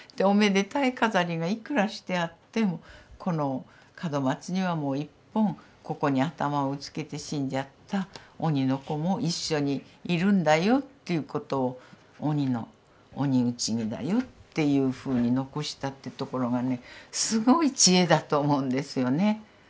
おめでたい飾りがいくらしてあってもこの門松にはもう一本ここに頭をぶつけて死んじゃった鬼の子も一緒にいるんだよということを鬼の鬼打ち木だよっていうふうに残したというところがねすごい知恵だと思うんですよね。